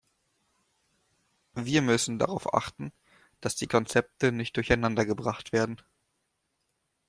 Wir müssen darauf achten, dass die Konzepte nicht durcheinander gebracht werden.